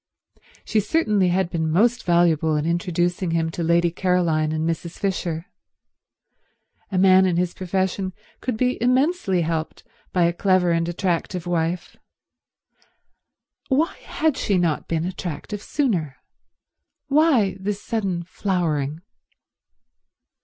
She certainly had been most valuable in introducing him to Lady Caroline and Mrs. Fisher. A man in his profession could be immensely helped by a clever and attractive wife. Why had she not been attractive sooner? Why this sudden flowering?